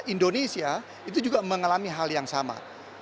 indonesia itu juga mengalami hal yang sama